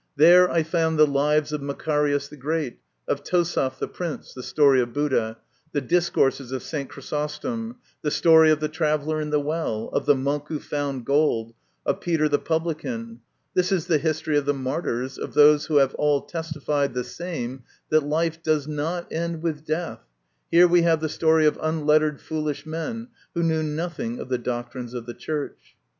There I found the lives of Macarius the Great ; of Tosaph the Prince (the story of Buddha) ; the discourses of St. Chrysostom ; the story of the traveller in the well ; of the Monk who found gold ; of Peter the Publican ; this is the history of the martyrs, of those who have all testified the same, that life does not end with death ; here we have the story of unlettered foolish men, who knew nothing of the doctrines of the Church.